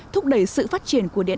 thúc đẩy sự phát triển của địa phương